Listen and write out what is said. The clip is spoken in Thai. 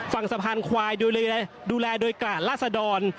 ฝั่งสะพานควายดูแลโดยกราดลาศดร